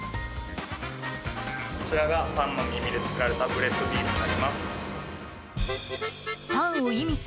こちらがパンの耳で造られたブレッドビールになります。